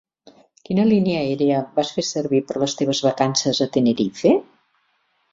Quina línia aèria vas fer servir per les teves vacances a Tenerife?